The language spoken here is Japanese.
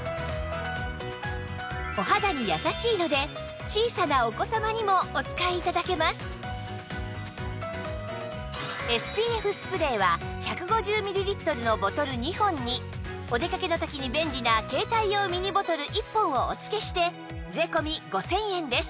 お肌にやさしいので小さなＳＰＦ スプレーは１５０ミリリットルのボトル２本にお出かけの時に便利な携帯用ミニボトル１本をお付けして税込５０００円です